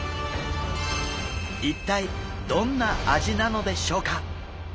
一体どんな味なのでしょうか？